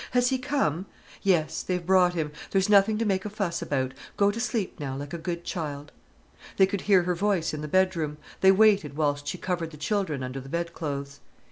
"Has he come?" "Yes, they've brought him. There's nothing to make a fuss about. Go to sleep now, like a good child." They could hear her voice in the bedroom, they waited whilst she covered the children under the bedclothes.